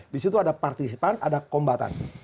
di situ ada partisipan ada kombatan